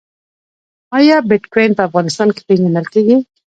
آیا بټکوین په افغانستان کې پیژندل کیږي؟